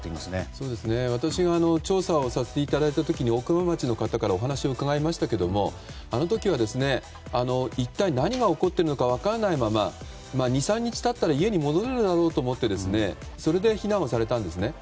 そうですね、私が調査をさせていただいた時に大熊町の方からお話を伺いましたが、あの時は一体何が起こっているのか分からないまま２３日経ったら家に戻れるだろうと思ってそれで避難されたんですね。